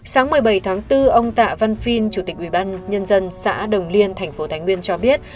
sáng một mươi bảy tháng bốn ông tạ văn phiên chủ tịch ubnd nhân dân xã đồng liên tp thánh nguyên cho biết